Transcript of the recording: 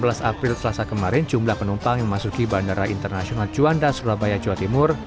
merujuk pada data delapan belas april selasa kemarin jumlah penumpang yang memasuki bandara internasional juanda sulawaya jawa timur